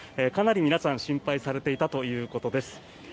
かなり皆さん心配されていたということです。